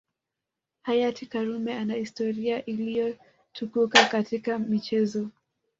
Hayati Karume ana historia iliyotukuka katika michezo